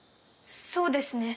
そうですね。